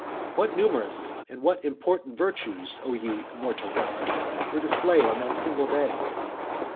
What numerous and what important virtues, O ye immortal gods, were displayed on that single day.